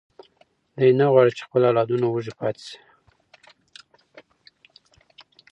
دی نه غواړي چې خپل اولادونه وږي پاتې شي.